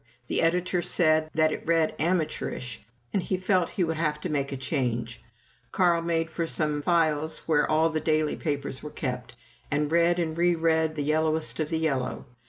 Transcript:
The editor said that it read amateurish, and he felt he would have to make a change. Carl made for some files where all the daily papers were kept, and read and re read the yellowest of the yellow.